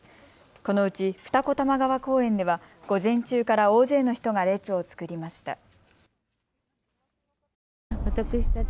このうち二子玉川公園では午前中から大勢の人が列を作りました。